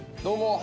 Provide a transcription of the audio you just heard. どうも。